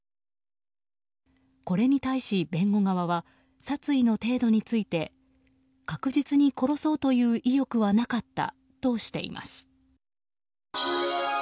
これに対し弁護側は殺意の程度について確実に殺そうという意欲はなかったとしています。